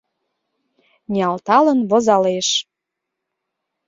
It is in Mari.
Ниялталын возалеш.